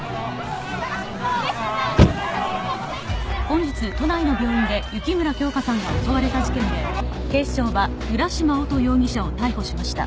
本日都内の病院で雪村京花さんが襲われた事件で警視庁は浦島乙容疑者を逮捕しました。